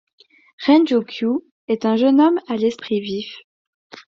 Renjou Kyuu est un jeune garçon a l'esprit vif.